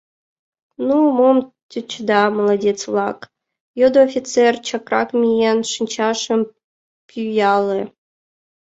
— Ну, мом тӧчеда, молодец-влак? — йодо офицер, чакрак миен, шинчажым пӱяле.